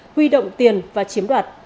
huy động tiền và chiếm đoạt